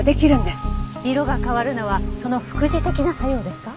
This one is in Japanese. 色が変わるのはその副次的な作用ですか？